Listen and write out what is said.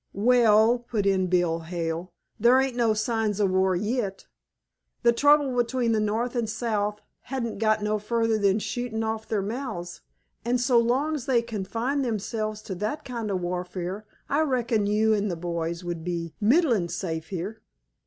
"Well," put in Bill Hale, "there ain't no signs of war yit; the trouble between the North and South hain't got no further than shootin' off their mouths, an' so long's they confine themselves to that kind of warfare I reckon you an' th' boys would be middlin' safe here."